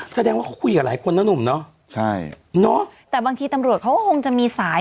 แสดงว่าเขาคุยกับหลายคนนะหนุ่มเนอะใช่เนอะแต่บางทีตำรวจเขาก็คงจะมีสาย